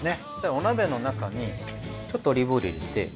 お鍋の中にちょっとオリーブオイルを入れて。